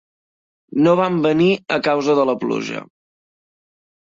No vam venir a causa de la pluja.